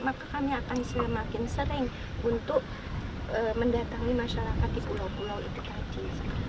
maka kami akan semakin sering untuk mendatangi masyarakat di pulau pulau itu tadi